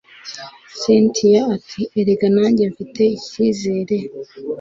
cyntia ati erega nanjye mfite icyizere